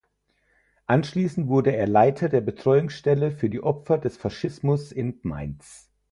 Anschließend wurde er Leiter der Betreuungsstelle für die Opfer des Faschismus in Mainz.